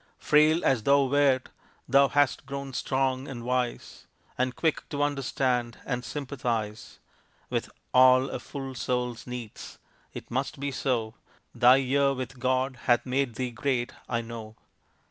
Frail as thou wert, thou hast grown strong and wise, And quick to understand and sympathize With all a full soul's needs. It must be so, Thy year with God hath made thee great I know.